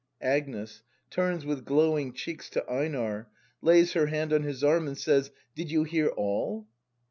Agnes. [Turns with glowing cheeks to Einar, lays her hand on his arm, and says:] Did you hear all?